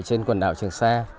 trên quần đảo trường sa